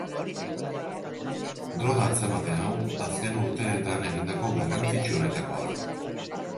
Droga atzemate hau azken urteetan egindako garrantzitsuenetakoa da.